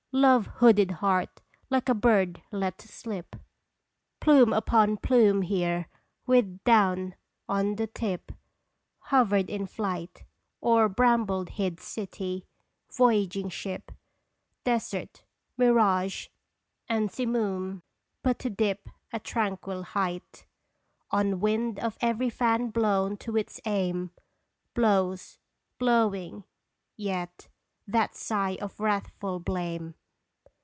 Love hooded heart like a bird let to slip ! "ftlje Second (Hard tomg." 259 Plume upon plume here with down on the tip, Hovered in flight O'er bramble hid city, voyaging ship, Desert, mirage and simoon, but to dip * At tranquil height. On wind of every fan blown to its aim, Blows, blowing yet, that sigh of wrathful blame